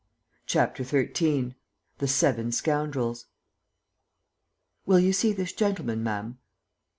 ." CHAPTER XIII THE SEVEN SCOUNDRELS "Will you see this gentleman, ma'am?"